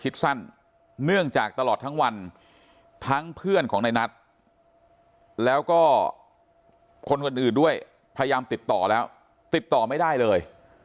แล้วก็คนคนอื่นด้วยพยายามติดต่อแล้วติดต่อไม่ได้เลย